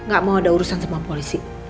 gak mau ada urusan sama polisi